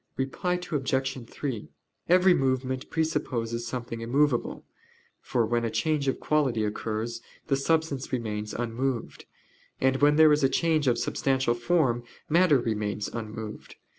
Reply Obj. 3: Every movement presupposes something immovable: for when a change of quality occurs, the substance remains unmoved; and when there is a change of substantial form, matter remains unmoved.